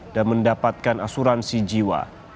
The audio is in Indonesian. dan mendapatkan asuransi jiwa